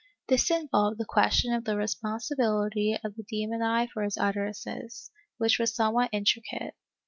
This involved the cjuestion of the responsibility of the demoniac for his utterances, which was somewhat intricate.